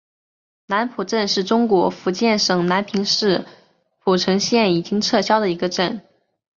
南浦镇是中国福建省南平市浦城县已经撤销的一个镇。